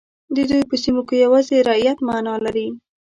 د دوی په سیمو کې یوازې رعیت معنا لري.